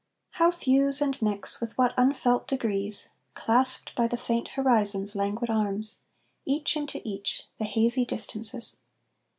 How fuse and mix, with what unfelt degrees, Clasped by the faint horizon's languid arms, Each into each, the hazy distances!